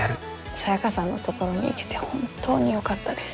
サヤカさんのところに行けて本当によかったです。